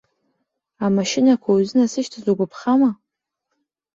Амашьынақәа иузынасышьҭыз угәаԥхама?